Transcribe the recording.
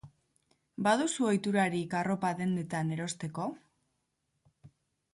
Baduzu ohiturarik arropa dendetan erosteko?